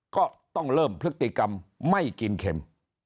ก็ต้องเริ่มพฤติกรรมไม่กินเข็ม